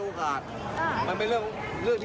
พ่อปุ่นโดยถ้าไม่ถูกภูมิ